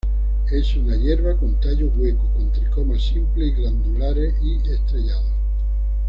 Es una hierba, con tallo hueco con tricomas simples y glandulares y estrellados.